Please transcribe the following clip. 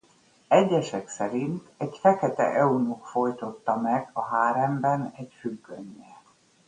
Egyesek szerint egy fekete eunuch fojtotta meg a háremben egy függönnyel.